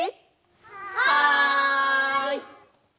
はい！